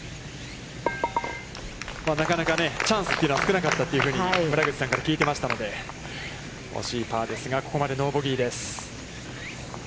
なかなかチャンスというのは、少なかったというふうに、村口さんから聞いていましたので、惜しいパーですが、ここまでノーボギーです。